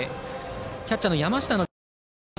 キャッチャーの山下のリードですね。